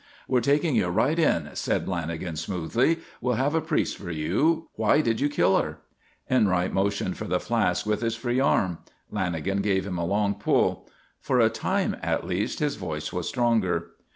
"We're taking you right in," said Lanagan, soothingly. "We'll have a priest for you. Why did you kill her?" Enright motioned for the flask with his free arm. Lanagan gave him a long pull. For a time at least his voice was stronger.